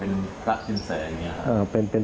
เป็นต๊ะชิงแสอย่างนี้ครับ